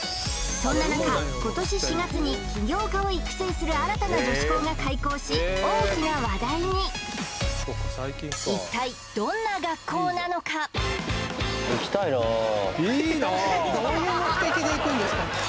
そんな中今年４月に起業家を育成する新たな女子校が開校し大きな話題にどういう目的で行くんですか？